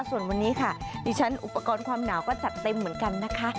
ส่วนวันนี้ค่ะดิฉันอุปกรณ์ความหนาวก็จัดเต็มเหมือนกันนะคะ